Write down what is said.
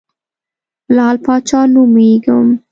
لعل پاچا نومېږم.